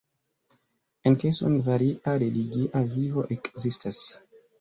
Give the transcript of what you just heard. En Keson varia religia vivo ekzistas.